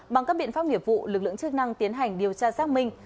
bằng các biện pháp nghiệp vụ lực lượng chức năng tiến hành điều tra xác minh